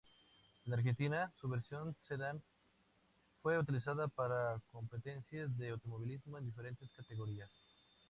En Argentina, su versión sedán fue utilizada para competencias de automovilismo en diferentes categorías.